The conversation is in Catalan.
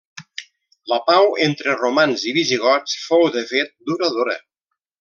La pau entre romans i visigots fou, de fet, duradora.